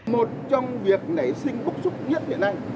một trong việc nảy sinh bốc sốc nhất hiện nay